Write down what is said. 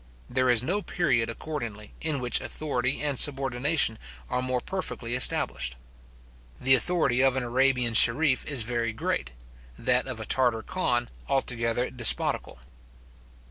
There is no period, accordingly, in which authority and subordination are more perfectly established. The authority of an Arabian scherif is very great; that of a Tartar khan altogether despotical.